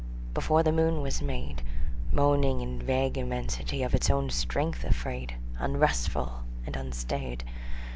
Before the moon was made, Moaning in vague immensity, Of its own strength afraid, Unresful and unstaid.